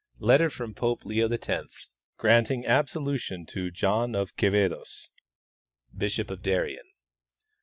Letter from Pope Leo X granting absolution to John of Queve clos, bishop of Darien.